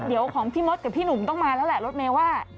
เดี๋ยวของพี่มดกับพี่หนุ่มต้องมาแล้วแหละรถเมย์ว่า